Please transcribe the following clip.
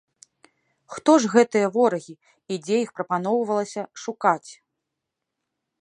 Хто ж гэтыя ворагі і дзе іх прапаноўвалася шукаць?